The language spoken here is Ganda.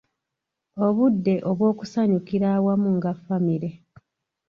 Obudde obw’okusanyukira awamu nga famire.